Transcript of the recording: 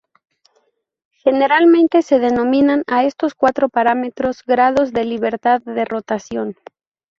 Generalmente se denominan a estos cuatro parámetros "grados de libertad de rotación".